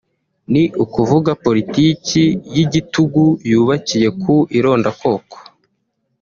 ni ukuvuga politiki y’igitugu yubakiye ku irondakoko